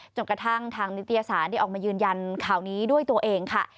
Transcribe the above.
กระทั่งทางนิตยสารได้ออกมายืนยันข่าวนี้ด้วยตัวเองค่ะ